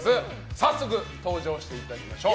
早速登場していただきましょう。